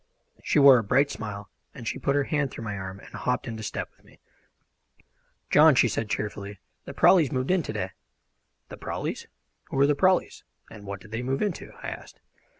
She wore a bright smile, and she put her hand through my arm and hopped into step with me. "John," she said cheerfully, "the Prawleys moved in to day." "The Prawleys? Who are the Prawleys, and what did they move into?" I asked.